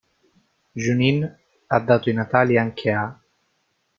Junín ha dato i natali anche a